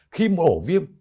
khi một ổ viêm